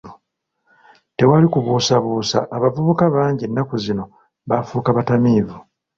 Tewali kubuusabuusa abavubuka bangi ennaku zino baafuuka batamiivu.